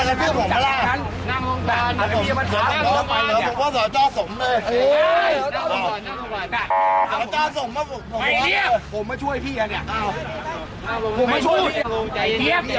ไม่มีใครเตะพี่หรอกไม่มีใครทำพี่หรอก